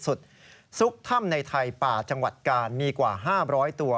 ซุกถ้ำในไทยป่าจังหวัดกาลมีกว่า๕๐๐ตัว